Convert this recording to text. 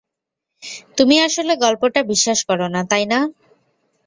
তুমি আসলে গল্পটা বিশ্বাস করো না, তাই না?